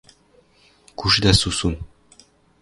Кушда сусун